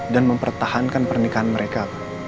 dan mempertahankan pernikahan mereka